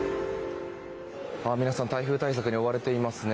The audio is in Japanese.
皆さん、台風対策に追われていますね。